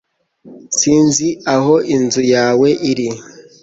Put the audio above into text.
Sinzi aho inzu yawe iri